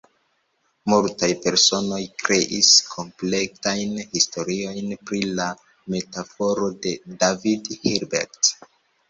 Multaj personoj kreis kompletajn historiojn pri la metaforo de David Hilbert.